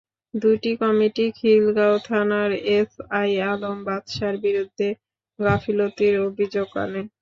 দুটি কমিটি খিলগাঁও থানার এসআই আলম বাদশার বিরুদ্ধে গাফিলতির অভিযোগ আনে।